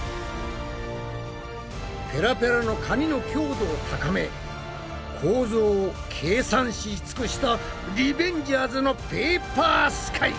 ペラペラの紙の強度を高め構造を計算し尽くしたリベンジャーズのペーパースカイ！